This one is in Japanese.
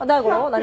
何？